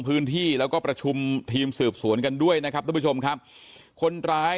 พื้นที่แล้วก็ประชุมทีมสืบสวนกันด้วยนะครับทุกผู้ชมครับคนร้าย